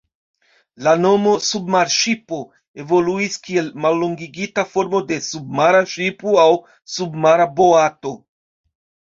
La nomo "submarŝipo" evoluis kiel mallongigita formo de "submara ŝipo" aŭ "submara boato".